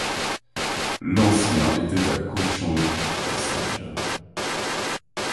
L'ancien etait un cochon pas sage